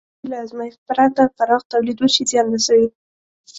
که د لومړۍ بېلګې له ازمېښت پرته پراخ تولید وشي، زیان رسوي.